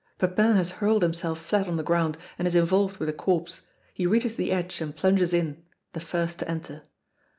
Pepin has hurled himself flat on the ground and is involved with a corpse. He reaches the edge and plunges in the first to enter.